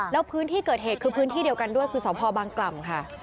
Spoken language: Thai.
แล้วพื้นที่เกิดเหตุคือพื้นที่เดียวกันด้วยคือสพบางกล่ำค่ะ